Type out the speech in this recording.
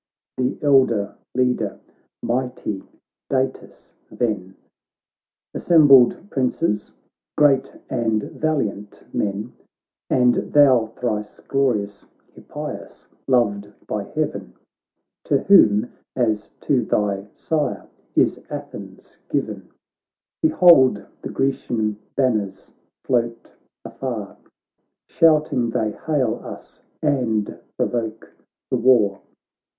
The elder leader, mighty Datis, then :' Assembled Princes, great and valiant men, And thou thrice glorious Hippias, loved by heaven, To whom, as to thy sire, is Athens given ; Behold the Grecian banners float afar, Shouting they hail us, and provoke the war.